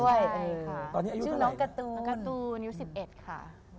ใช่ค่ะชื่อน้องการ์ตูนอายุ๑๑ค่ะ